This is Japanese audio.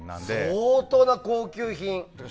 相当な高級品！